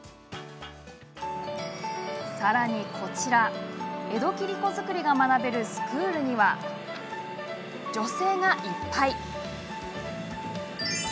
さらにこちら、江戸切子作りが学べるスクールには女性がいっぱい！